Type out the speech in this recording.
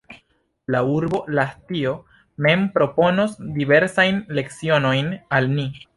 La urbo Lahtio mem proponos diversajn lecionojn al ni.